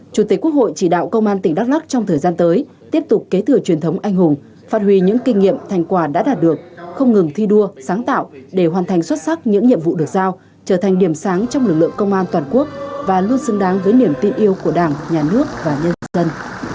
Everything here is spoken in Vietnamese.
chủ tịch quốc hội chỉ đạo công an tỉnh đắk lắc trong thời gian tới tiếp tục kế thừa truyền thống anh hùng phát huy những kinh nghiệm thành quả đã đạt được không ngừng thi đua sáng tạo để hoàn thành xuất sắc những nhiệm vụ được giao trở thành điểm sáng trong lực lượng công an toàn quốc và luôn xứng đáng với niềm tin yêu của đảng nhà nước và nhân dân